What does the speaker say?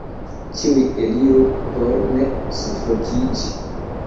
ĉiuj eliru, por ne sufokiĝi!